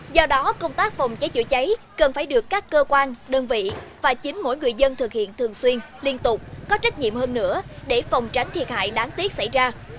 do đó công tác phòng cháy chữa cháy cần phải được các cơ quan đơn vị và chính mỗi người dân thực hiện thường xuyên liên tục có trách nhiệm hơn nữa để phòng tránh thiệt hại đáng tiếc xảy ra